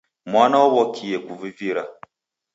Mwana waw'okie kuvivira.